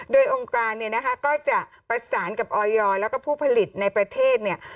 โดยองค์การเนี่ยนะคะก็จะประสานกับออยแล้วก็ผู้ผลิตในประเทศเนี่ย